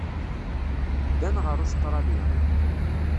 Ddan ɣer Ustṛalya.